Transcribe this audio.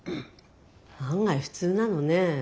案外普通なのねえ。